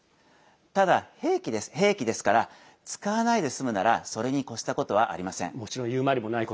ただ、兵器ですから使わないで済むならそれに越したことはありません。